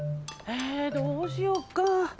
えどうしよっか？